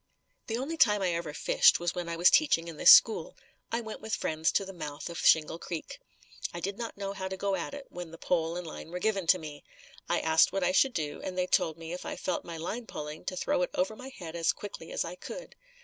The only time I ever fished was when I was teaching this school. I went with friends to the mouth of Shingle Creek. I did not know how to go at it when the pole and line were given to me. I asked what I should do and they told me if I felt my line pulling, to throw it over my head as quickly as I could.